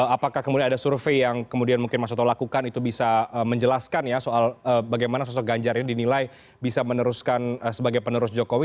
apakah kemudian ada survei yang kemudian mungkin mas soto lakukan itu bisa menjelaskan ya soal bagaimana sosok ganjar ini dinilai bisa meneruskan sebagai penerus jokowi